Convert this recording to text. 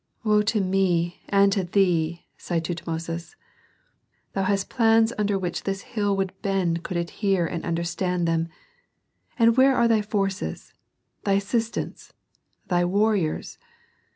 "Woe to me and to thee!" sighed Tutmosis. "Thou hast plans under which this hill would bend could it hear and understand them. And where are thy forces, thy assistance, thy warriors?